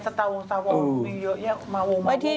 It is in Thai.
สตาวงค์สตาวงค์อยู่เยอะแยะมาวงค์มาวงค์